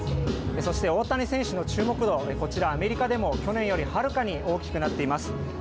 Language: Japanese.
そして、大谷選手の注目度、こちらアメリカでも去年よりはるかに大きくなっています。